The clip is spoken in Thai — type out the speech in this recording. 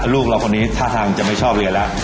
ลูกเราคนนี้ท่าทางจะไม่ชอบเรียนแล้ว